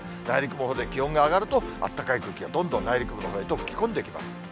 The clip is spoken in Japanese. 内陸のほうで気温が上がると、あったかい空気がどんどん内陸部のほうへと吹き込んできます。